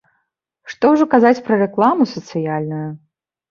Што ўжо казаць пра рэкламу сацыяльную!